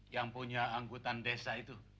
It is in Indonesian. yang punya angkutan desa itu